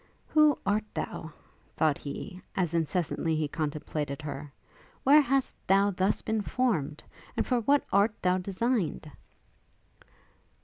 Who art thou? thought he, as incessantly he contemplated her; where hast thou thus been formed? And for what art thou designed?